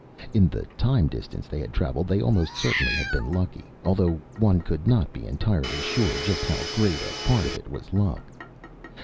In the time distance they had traveled, they almost certainly had been lucky, although one could not be entirely sure just how great a part of it was luck.